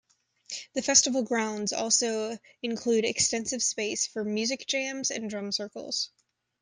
The festival grounds also include extensive space for music jams and drum circles.